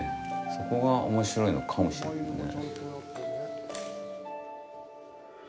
そこがおもしろいのかもしれないね。